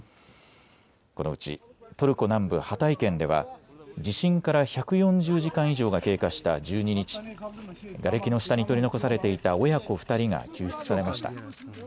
このうちトルコ南部ハタイ県では地震から１４０時間以上が経過した１２日、がれきの下に取り残されていた親子２人が救出されました。